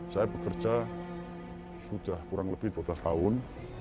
saya bekerja sudah kurang lebih dua belas tahun